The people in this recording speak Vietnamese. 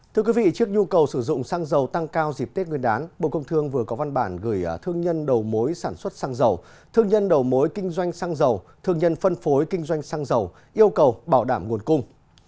thưa quý vị trước nhu cầu sử dụng xăng dầu tăng cao dịp tết nguyên đán bộ công thương vừa có văn bản gửi thương nhân đầu mối sản xuất xăng dầu thương nhân đầu mối kinh doanh xăng dầu thương nhân phân phối kinh doanh xăng dầu yêu cầu bảo đảm nguồn cung